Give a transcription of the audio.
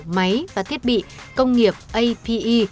máy và thiết bị công nghiệp ape